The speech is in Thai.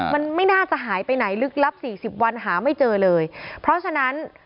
มันไม่น่าจะหายไปไหนลึกลับสี่สิบวันหาไม่เจอเลยเพราะฉะนั้น